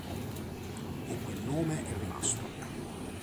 E quel nome è rimasto.